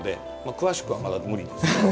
詳しくはまだ無理ですけど。